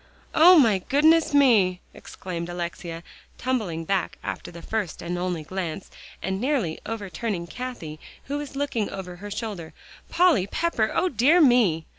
"O my goodness me!" exclaimed Alexia, tumbling back after the first and only glance, and nearly overturning Cathie who was looking over her shoulder. "Polly Pepper, O dear me!"